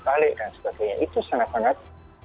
balik dan sebagainya itu sangat sangat